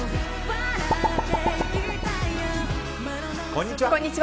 こんにちは。